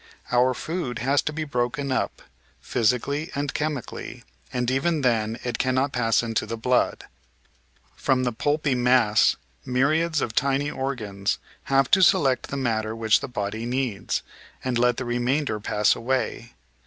Our food has to be broken up, physically and chemically, and even then it cannot pass into the blood. From the pulpy mass myriads of tiny organs have to select the matter which the body needs, and let the remainder pass away.